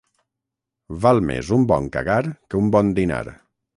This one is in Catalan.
Val més un bon cagar que un bon dinar.